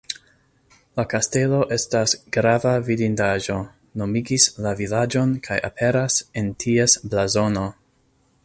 La kastelo estas grava vidindaĵo, nomigis la vilaĝon kaj aperas en ties blazono.